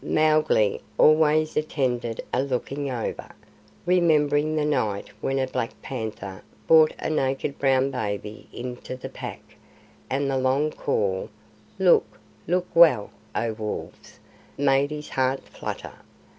Mowgli always attended a Looking over, remembering the night when a black panther bought a naked brown baby into the pack, and the long call, "Look, look well, O Wolves," made his heart flutter.